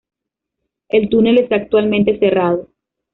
El túnel está actualmente cerrado.